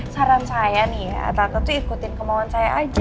saran saya nih ya tante tuh ikutin kemauan saya aja